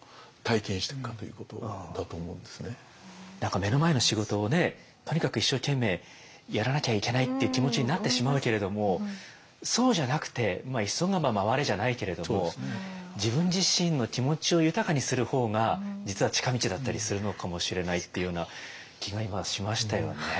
何か目の前の仕事をねとにかく一生懸命やらなきゃいけないっていう気持ちになってしまうけれどもそうじゃなくて「急がば回れ」じゃないけれども自分自身の気持ちを豊かにする方が実は近道だったりするのかもしれないっていうような気が今しましたよね。